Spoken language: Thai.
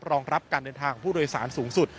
รองรับการเดินทางของผู้โดยสารสูงสุด